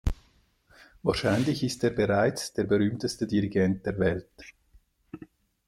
Wahrscheinlich ist er bereits der berühmteste Dirigent der Welt.